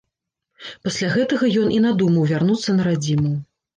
Пасля гэтага ён і надумаў вярнуцца на радзіму.